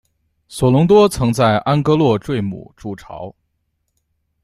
索隆多曾在安戈洛坠姆筑巢。